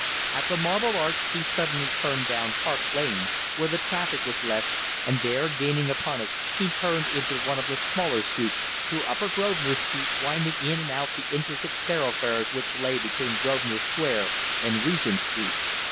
At the Marble Arch he suddenly turned down Park Lane, where the traffic was less, and there gaining upon us, he turned into one of the smaller streets, through Upper Grosvenor Street, winding in and out the intricate thoroughfares which lay between Grosvenor Square and Regent Street.